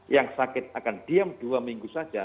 yang sakit akan diam dua minggu saja